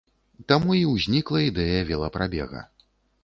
Таму і ўзнікла ідэя велапрабега.